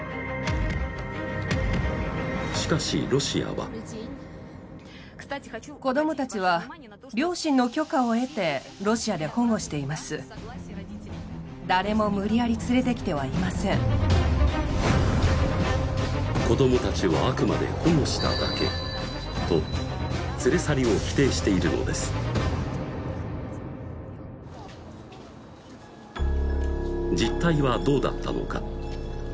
しかしロシアは子どもたちはあくまでと連れ去りを否定しているのです実態はどうだったのか？